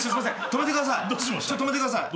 止めてください。